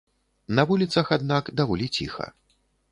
На вуліцах, аднак, даволі ціха.